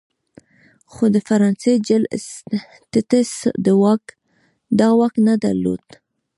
خو د فرانسې جل اسټټس دا واک نه درلود.